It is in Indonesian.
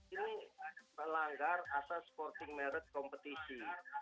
ini melanggar asas sporting merek kompetisi